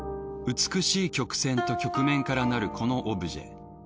美しい曲線と曲面からなるこのオブジェ。